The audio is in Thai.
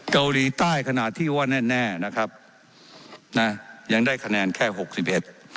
เกาหลีใต้ขณะที่ว่าแน่แน่นะครับนะยังได้คะแนนแค่หกสิบเอ็ด